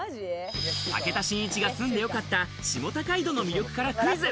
武田真一が住んでよかった下高井戸の魅力からクイズ。